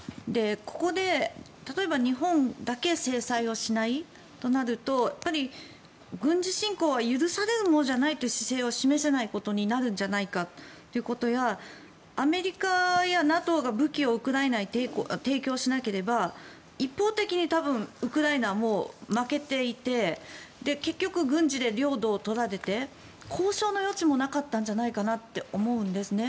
ここで例えば日本だけ制裁をしないとなると軍事侵攻は許されるものじゃないという姿勢を示せないことになるんじゃないかということやアメリカやＮＡＴＯが武器をウクライナに提供しなければ一方的に多分ウクライナはもう負けていて結局、軍事で領土を取られて交渉の余地もなかったんじゃないかなと思うんですね。